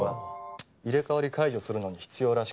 入れ替わり解除するのに必要らしくて。